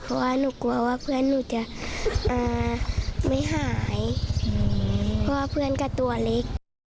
เพราะว่าหนูกลัวว่าเพื่อนหนูจะไม่หายเพราะว่าเพื่อนก็ตัวเล็ก